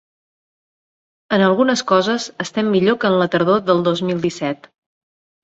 En algunes coses estem millor que en la tardor del dos mil disset.